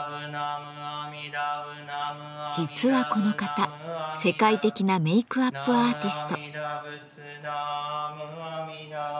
実はこの方世界的なメークアップアーティスト。